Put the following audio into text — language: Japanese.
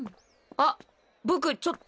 あ僕ちょっと。